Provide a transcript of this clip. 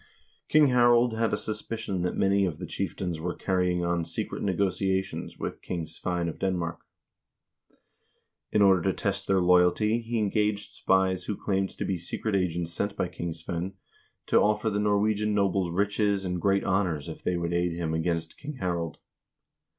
King Harald had a suspicion that many of the chieftains were carrying on secret negotiations with King Svein of Denmark. In order to test their loyalty he engaged spies who claimed to be secret agents sent by King Svein to offer the Norwegian nobles riches and great honors if they would aid him against King Harald.